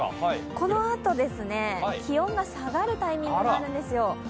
このあと、気温が下がるタイミングがあるんですよ。